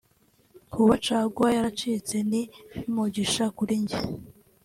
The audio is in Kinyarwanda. Kuba caguwa yaracitse ni nk’umugisha kuri njye